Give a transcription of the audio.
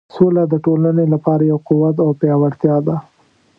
سوله د ټولنې لپاره یو قوت او پیاوړتیا ده.